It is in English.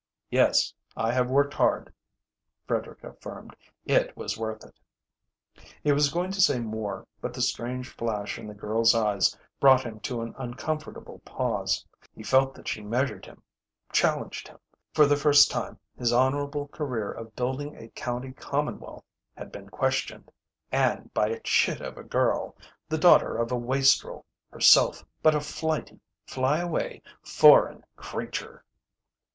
"Yes, I have worked hard," Frederick affirmed. "It was worth it." He was going to say more, but the strange flash in the girl's eyes brought him to an uncomfortable pause. He felt that she measured him, challenged him. For the first time his honourable career of building a county commonwealth had been questioned and by a chit of a girl, the daughter of a wastrel, herself but a flighty, fly away, foreign creature.